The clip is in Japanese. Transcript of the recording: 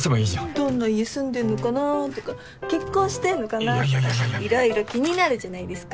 どんな家住んでるのかなとか結婚してるのかなとかいろいろ気になるじゃないですか。